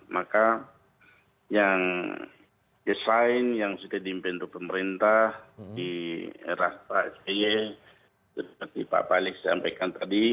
maka yang desain yang sudah diimpin untuk pemerintah di rastra spy seperti pak balik sampaikan tadi